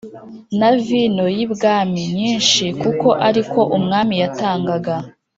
na vino y’ibwami nyinshi kuko ari ko umwami yatangaga